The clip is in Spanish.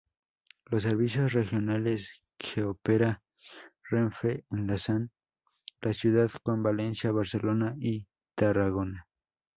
Los servicios regionales que opera Renfe enlazan la ciudad con Valencia, Barcelona y Tarragona.